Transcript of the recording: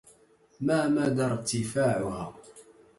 ما مدي ارتفاعها ؟